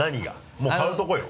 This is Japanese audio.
もう買うとこよ。